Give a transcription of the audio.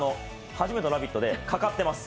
初めての「ラヴィット！」でかかってます。